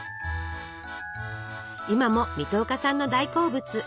今も水戸岡さんの大好物！